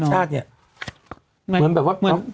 แม่กระแสนิยมตัชชาติเนี่ย